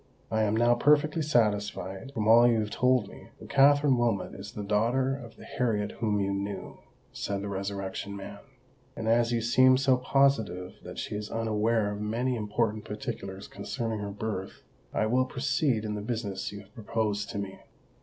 "I am now perfectly satisfied, from all you have told me, that Katherine Wilmot is the daughter of the Harriet whom you knew," said the Resurrection Man; "and as you seem so positive that she is unaware of many important particulars concerning her birth, I will proceed in the business you have proposed to me."